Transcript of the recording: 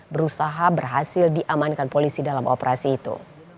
berusaha berhasil diamankan polisi dalam operasi itu